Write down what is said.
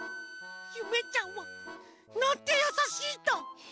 ゆめちゃんはなんてやさしいんだ。